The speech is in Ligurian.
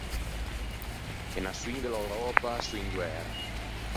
E naçioin de l’Euröpa son in guæra.